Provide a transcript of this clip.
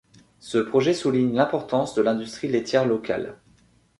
Ce projet souligne l'importance de l'industrie laitière locale.